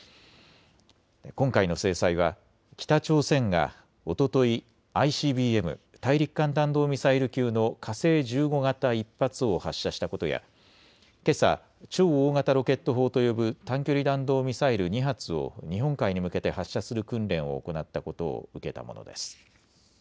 今回の制裁は北朝鮮がおとといＩＣＢＭ・大陸間弾道ミサイル級の火星１５型１発を発射したことやけさ超大型ロケット砲と呼ぶ短距離弾道ミサイル２発を日本海に向けて発射する訓練を行ったことを受けたものです。